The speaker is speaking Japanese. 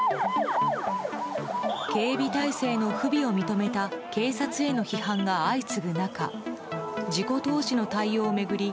警備態勢の不備を認めた警察への批判が相次ぐ中事故当時の対応を巡り